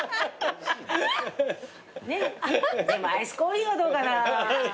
でもアイスコーヒーはどうかな？